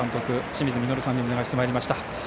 清水稔さんにお願いしてまいりました。